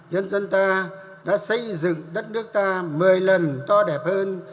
nhân dân ta đã xây dựng đất nước ta một mươi lần to đẹp hơn